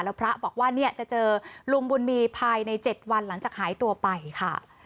แล้วพระบอกว่าเนี่ยจะเจอลุงบุญมีภายใน๗วันหลังจากหายตัวไปค่ะ